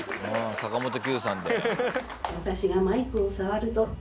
坂本九さんで。